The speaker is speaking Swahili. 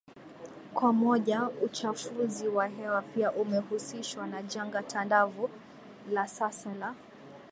kwa mojaUchafuzi wa hewa pia umehusishwa na janga tandavu la sasa la